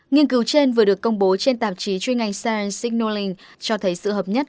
nghiên cứu trên vừa được công bố trên tạp chí chuyên ngành science signaling cho thấy sự hợp nhất